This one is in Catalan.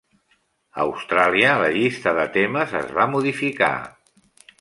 A Austràlia, la llista de temes es va modificar.